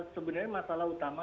sebenarnya masalah utama